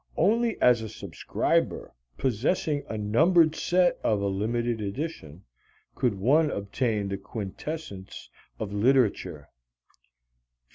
Only as a subscriber, possessing a numbered set of a limited edition, could one obtain the quintessence of literature.